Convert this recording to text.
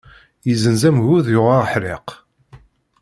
Yezzenz amgud yuɣ aḥriq.